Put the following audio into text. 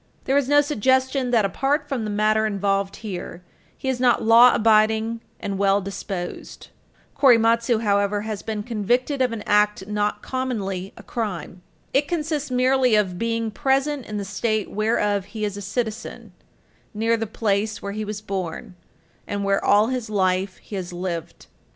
There is no suggestion that, apart from the matter involved here, he is not law abiding and well disposed. Korematsu, however, has been convicted of an act not commonly a crime. It consists merely of being present in the state whereof he is a citizen, near the place where he was born, and where all his life he has lived.